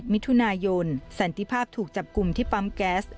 มิถุนายนสันติภาพถูกจับกลุ่มที่ปั๊มแก๊ส